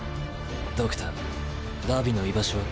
ドクター荼毘の居場所は？